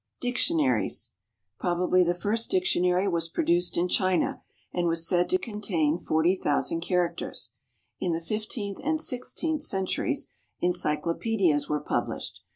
=Dictionaries.= Probably the first dictionary was produced in China, and was said to contain 40,000 characters. In the 15th and 16th centuries, encyclopedias were published.